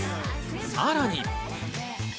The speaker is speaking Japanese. さらに。